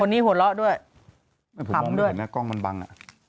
ผมเห็นนะกล้องมันบัง